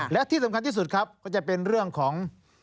และที่สำคัญที่สุดครับก็จะเป็นเรื่องของ